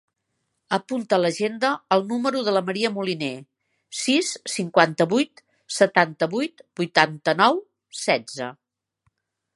Apunta a l'agenda el número de la Maria Moline: sis, cinquanta-vuit, setanta-vuit, vuitanta-nou, setze.